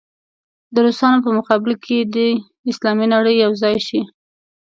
د روسانو په مقابل کې دې اسلامي نړۍ یو ځای شي.